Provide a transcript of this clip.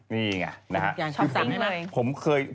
นี่แหงะ